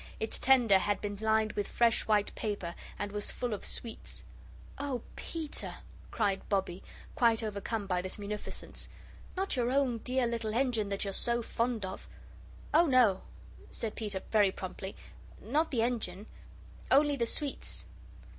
Its tender had been lined with fresh white paper, and was full of sweets. "Oh, Peter!" cried Bobbie, quite overcome by this munificence, "not your own dear little engine that you're so fond of?" "Oh, no," said Peter, very promptly, "not the engine. Only the sweets."